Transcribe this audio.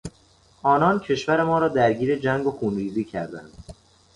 آنان کشور ما را در گیر جنگ و خونریزی کردند.